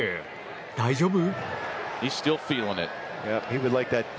大丈夫？